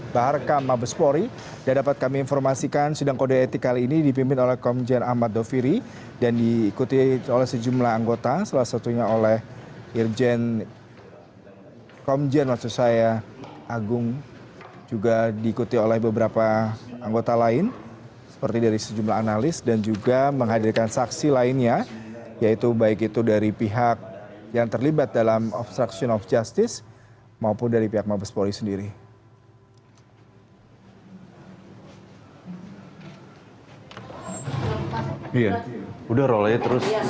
bagaimana perkembangan perangkat tersebut